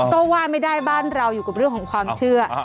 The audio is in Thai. ก็ว่าไม่ได้บ้านเราอยู่กับเรื่องของความเชื่อ